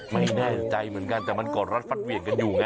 ไม่แน่ใจเหมือนกันแต่มันกอดรัดฟัดเหวี่ยงกันอยู่ไง